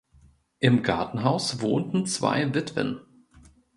Im Gartenhaus wohnten zwei Witwen.